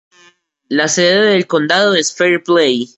La sede del condado es Fairplay.